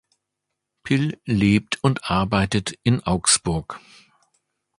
Pill lebt und arbeitet in Augsburg.